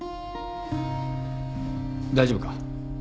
大丈夫か？